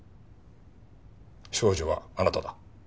少女はあなただ。